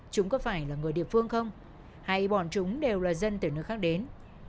chúng có phải là người địa phương không hay bọn chúng đều là dân từ nơi khác đến